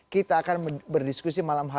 kita akan berdiskusi malam hari